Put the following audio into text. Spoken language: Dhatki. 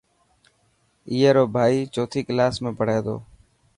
اي رو ڀائي چوٿي ڪلاس ۾ پهري تو.